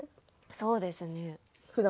そうですね。